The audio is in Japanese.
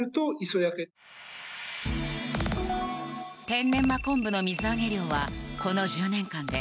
天然真昆布の水揚げ量はこの１０年間で